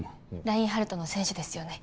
ラインハルトの選手ですよね